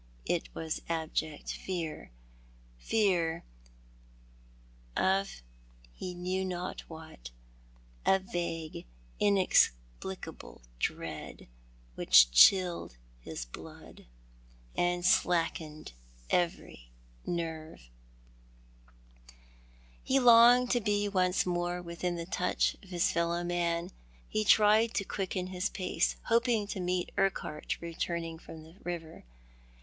It was abject fear, fear of he knew not what, a vague, inexplicable dread which chilled his blood, io6 Thou art the Man. and slackened every nerve. He longed to be once more within touch of his fellow man. He tried to quicken his pace, hoping to meet Urquhart returning from the river.